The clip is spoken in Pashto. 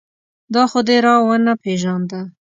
دا خو دې را و نه پېژانده.